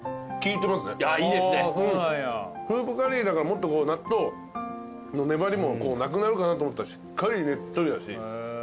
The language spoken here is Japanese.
スープカリーだからもっとこう納豆の粘りもなくなるかなと思ったらしっかりねっとりだし。